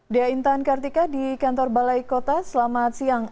dea intan kartika di kantor balai kota selamat siang